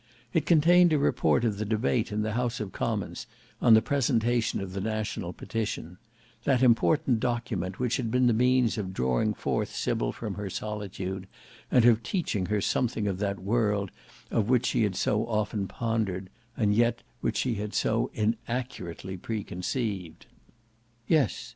It contained a report of the debate in the House of Commons on the presentation of the National Petition; that important document which had been the means of drawing forth Sybil from her solitude, and of teaching her something of that world of which she had often pondered, and yet which she had so inaccurately preconceived. Yes!